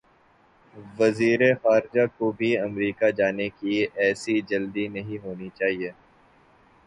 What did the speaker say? وزیر خارجہ کو بھی امریکہ جانے کی ایسی جلدی نہیں ہونی چاہیے۔